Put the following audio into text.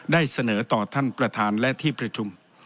ได้เสนอต่อท่านประธานและที่ประชุม